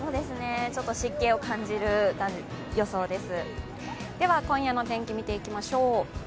ちょっと湿気を感じる予想です。